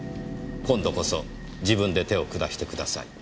今度こそ自分で手を下してください」